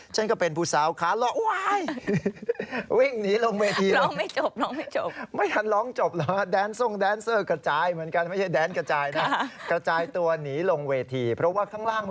ฉันก็เป็นผู้สาวค้า